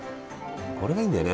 これがいいんだよね。